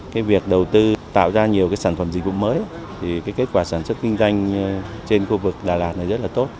cái việc đầu tư tạo ra nhiều cái sản phẩm dịch vụ mới thì cái kết quả sản xuất kinh doanh trên khu vực đà lạt này rất là tốt